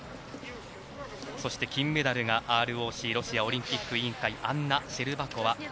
そして、金メダルがＲＯＣ・ロシアオリンピック委員会アンナ・シェルバコワ。